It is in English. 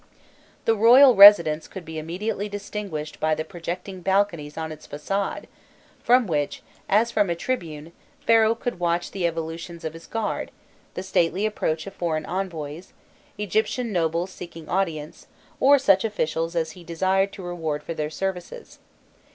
* The royal residence could be immediately distinguished by the projecting balconies on its façade, from which, as from a tribune, Pharaoh could watch the evolutions of his guard, the stately approach of foreign envoys, Egyptian nobles seeking audience, or such officials as he desired to reward for their services.